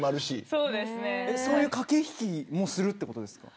そういう駆け引きもするってことですか。